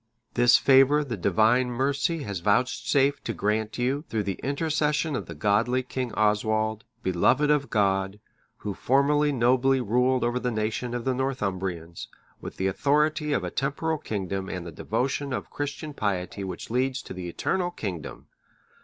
This favour the Divine mercy has vouchsafed to grant you, through the intercession of the godly King Oswald, beloved of God, who formerly nobly ruled over the nation of the Northumbrians, with the authority of a temporal kingdom and the devotion of Christian piety which leads to the eternal kingdom.